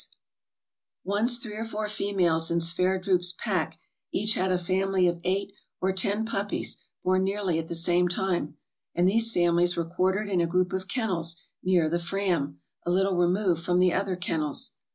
MISCELLANEOUS 511 Once three or four females in Sverdrup's pack each had a family of eight or ten puppies born nearly at the same time; and these families were quartered in a group of kennels near the "Fram, " a little removed from the other kennels.